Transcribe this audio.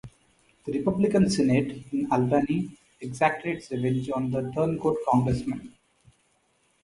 The Republican Senate in Albany exacted its revenge on the "turncoat" congressman.